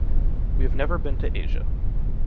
We have never been to Asia.